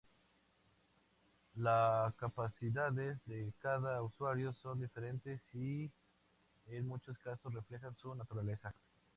Las capacidades de cada usuario son diferentes, y en muchos casos, reflejan su naturaleza.